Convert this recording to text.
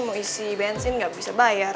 mau isi bensin nggak bisa bayar